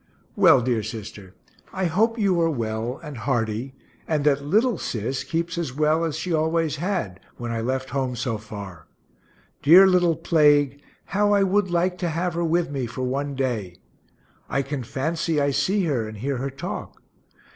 Well, dear sister, I hope you are well and hearty, and that little Sis keeps as well as she always had, when I left home so far. Dear little plague, how I would like to have her with me, for one day; I can fancy I see her, and hear her talk.